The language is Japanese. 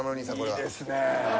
いいですね。